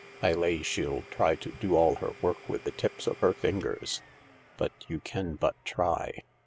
I lay she'll try to do all her work with the tips of her fingers. But you can but try."